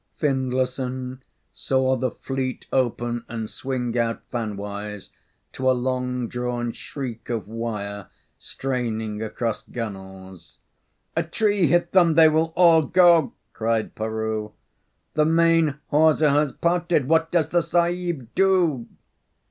Findlayson saw the fleet open and swing out fanwise to a long drawn shriek of wire straining across gunnels. "A tree hit them. They will all go," cried Peroo. "The main hawser has parted. What does the Sahib do?"